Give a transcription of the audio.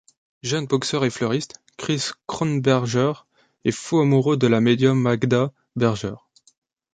Jeune boxeur et fleuriste, Chris Kronberger est fou amoureux de la médium Magda Berger.